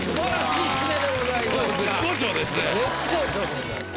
絶好調でございます。